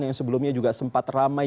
yang sebelumnya juga sempat ramai